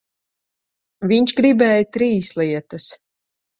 Viņš gribēja trīs lietas.